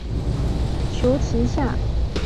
求其下